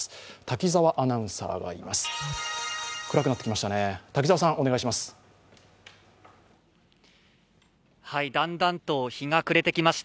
滝澤アナウンサーがいます。